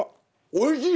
おいしい！